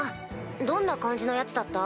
どんな感じのヤツだった？